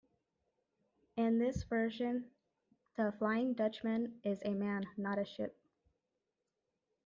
In this version, the Flying Dutchman is a man, not a ship.